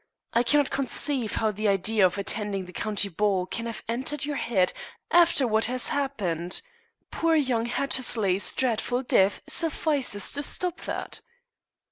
I cannot conceive how the idea of attending the county ball can have entered your head after what has happened. Poor young Hattersley's dreadful death suffices to stop that."